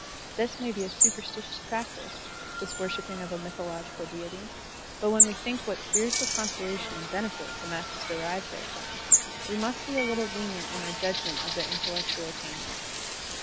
This may be a superstitious practice, — ^this worshipit^ of a mythological deity; but when we think what spiritual conso lation and benefit the masses derive therefrom, we must be a little lenient in our judgment of their intellectual attainment.